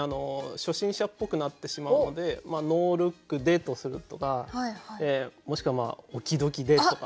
初心者っぽくなってしまうので「ノールックで」とするとかもしくは「Ｏｋｅｙ‐Ｄｏｋｅｙで」とか。